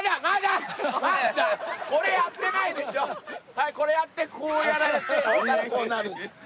はいこれやってこうやられてホントはこうなる。